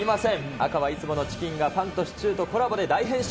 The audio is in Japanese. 赤はいつものチキンがパンとシチューとコラボで大変身。